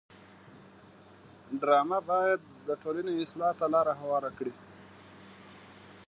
ډرامه باید د ټولنې اصلاح ته لاره هواره کړي